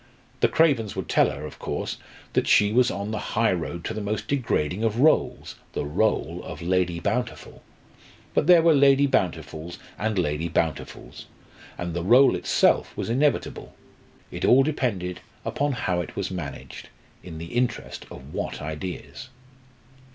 The Cravens would tell her, of course, that she was on the high road to the most degrading of rôles the rôle of Lady Bountiful. But there were Lady Bountifuls and Lady Bountifuls. And the rôle itself was inevitable. It all depended upon how it was managed in the interest of what ideas.